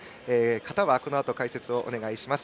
形はこのあと解説をお願いします